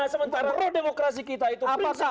sementara roh demokrasi kita itu prinsip demokrasi kita